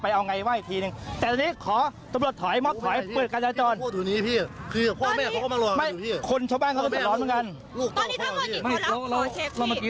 เพราะมันไม่ใช่กฎหมายที่ชอบทำครับพี่